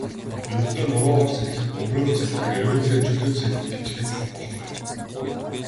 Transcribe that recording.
Ердөө нуруугаар сэлэх, өврөөр сэлэх, эрвээхэй, чөлөөт сэлэлт гэчихэд л болох юм.